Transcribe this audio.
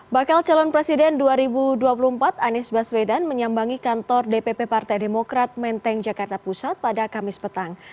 bakal calon presiden dua ribu dua puluh empat anies baswedan menyambangi kantor dpp partai demokrat menteng jakarta pusat pada kamis petang